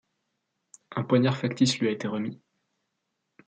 Un poignard factice lui a été remis.